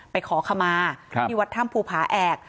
ไปขอขมาที่วัดถ้ำภูผาแอก